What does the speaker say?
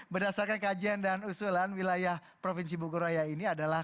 berdasarkan kajian dan usulan wilayah provinsi bogoraya ini adalah